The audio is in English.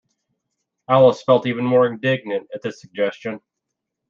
Alice felt even more indignant at this suggestion.